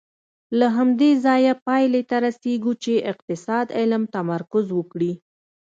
له همدې ځایه پایلې ته رسېږو چې اقتصاد علم تمرکز وکړي.